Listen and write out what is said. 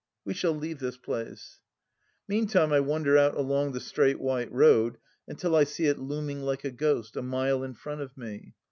,.. We shall leave this place .... Meantime I wander out along the straight white road until I see it looming like a ghost, a mile in front of me.